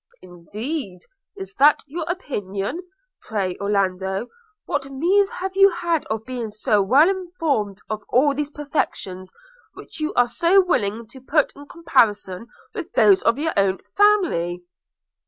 'Indeed! is that your opinion? – Pray, Orlando, what means have you had of being so well informed of all these perfections, which you are so willing to put in comparison with those of your own family?'